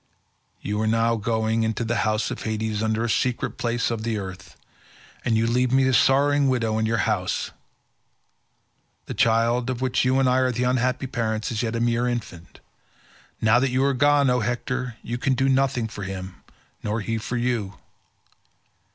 You are now going into the house of Hades under the secret places of the earth, and you leave me a sorrowing widow in your house. The child, of whom you and I are the unhappy parents, is as yet a mere infant. Now that you are gone, O Hector, you can do nothing for him nor he for you.